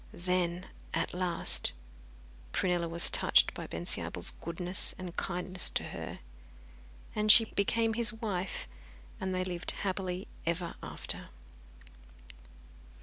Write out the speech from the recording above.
Then, at last, Prunella was touched by Bensiabel's goodness and kindness to her, and she became his wife, and they lived happily ever after.